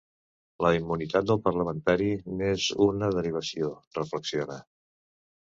La immunitat del parlamentari n’és una derivació, reflexiona.